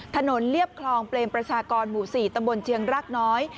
เรียบคลองเปรมประชากรหมู่๔ตำบลเชียงรากน้อย